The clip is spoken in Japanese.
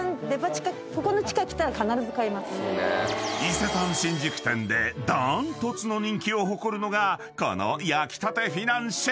［伊勢丹新宿店で断トツの人気を誇るのがこの焼きたてフィナンシェ］